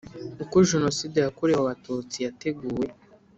uko Jenoside yakorewe Abatutsi yateguwe